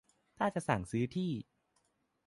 ถ้าจะสั่งซื้อที่